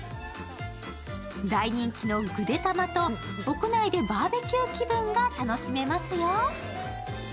大人気のぐでたまと屋内でバーベキュー気分が楽しめますよ。